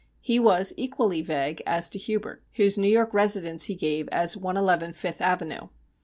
He was equally vague as to Hubert, whose New York residence he gave as 111 Fifth Avenue.